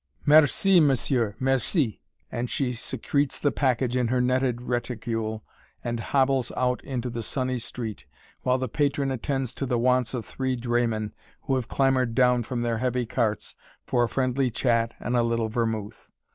"Merci, monsieur merci!" and she secretes the package in her netted reticule, and hobbles out into the sunny street, while the patron attends to the wants of three draymen who have clambered down from their heavy carts for a friendly chat and a little vermouth.